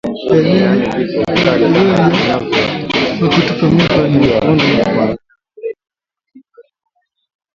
Dalili ya ugonjwa wa kutupa mimba ni kondo la nyuma kubaki baada ya kuzaa